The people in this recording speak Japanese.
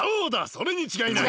それにちがいない！